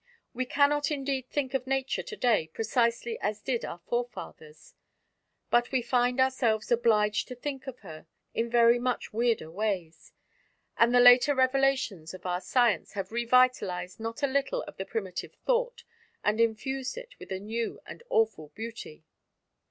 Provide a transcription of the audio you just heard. We cannot indeed think of Nature to day precisely as did our forefathers; but we find ourselves obliged to think of her in very much weirder ways; and the later revelations of our science have revitalized not a little of the primitive thought, and infused it with a new and awful beauty.